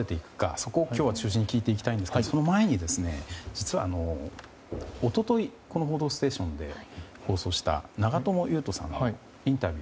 そこを今日は中心に聞いていきたいんですがその前に実は一昨日この「報道ステーション」で放送した長友佑都さんのインタビュー